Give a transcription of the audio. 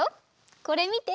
これみて！